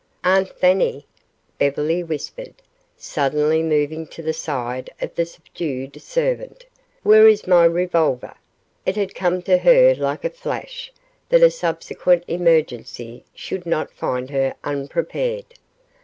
"Aunt Fanny," Beverly whispered, suddenly moving to the side of the subdued servant, "where is my revolver?" It had come to her like a flash that a subsequent emergency should not find her unprepared.